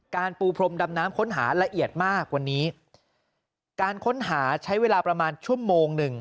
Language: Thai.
ปูพรมดำน้ำค้นหาละเอียดมากวันนี้การค้นหาใช้เวลาประมาณชั่วโมงหนึ่ง